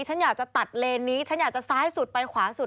ฉันอยากจะตัดเลนนี้ฉันอยากจะซ้ายสุดไปขวาสุด